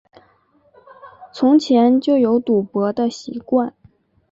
从前就有赌博的习惯